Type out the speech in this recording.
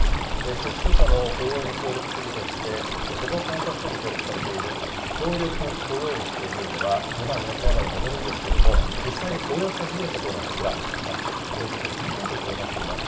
出所者の雇用に協力するとして、保護観察所に登録されている協力雇用主というのは２万４０００余りに上るんですけれども、実際に雇用した事業者というのはこちら、およそ５％にとどまっています。